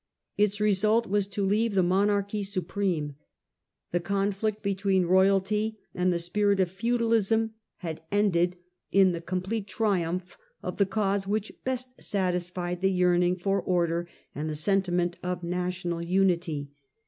Its result was to leave the monarchy Conclusion supreme. The conflict between royalty and Fronde its s P* r * t feudalism had ended in the com. main results, plete triumph of the cause which best satisfied the yearning for order and the sentiment of national unity.